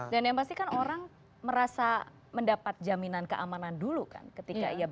dan yang pasti kan orang merasa mendapat jaminan keamanan dulu kan ketika ia berpindah